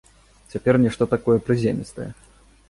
Цяпер нешта такое прыземістае.